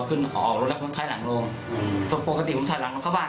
คุณไม่ไหวทางเพราะมีการเจ็บสอกมา